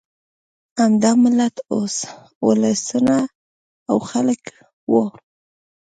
همدا ملت، اولسونه او خلک وو.